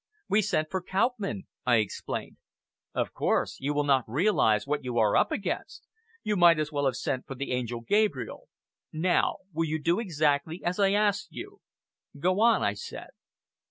"We sent for Kauppmann," I explained. "Of course! You will not realize what you are up against. You might as well have sent for the Angel Gabriel. Now will you do exactly as I ask you?" "Go on," I said.